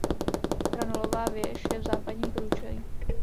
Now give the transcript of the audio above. Hranolová věž je v západním průčelí.